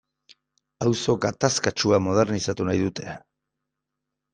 Auzo gatazkatsua modernizatu nahi dute.